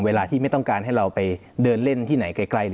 เวลาที่ไม่ต้องการให้เราไปเดินเล่นที่ไหนใกล้